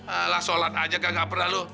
alah sholat aja kagak pernah lo